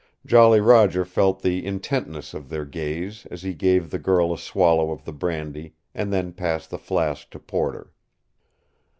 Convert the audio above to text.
Jolly Roger felt the intentness of their gaze as he gave the girl a swallow of the brandy, and then passed the flask to Porter.